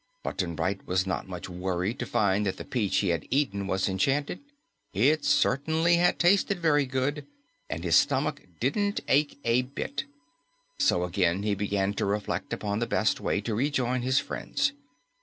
Button Bright was not much worried to find that the peach he had eaten was enchanted. It certainly had tasted very good, and his stomach didn't ache a bit. So again he began to reflect upon the best way to rejoin his friends.